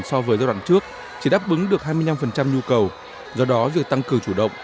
so với giai đoạn trước chỉ đáp ứng được hai mươi năm nhu cầu do đó việc tăng cường chủ động